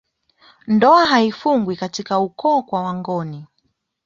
Ndoa haifungwi katika ukoo kwa wangoni